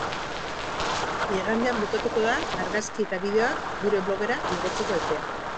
Igandean bukatuko da argazki eta bideoak gure blogera igotzeko epea.